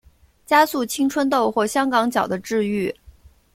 加速青春痘或香港脚的治愈。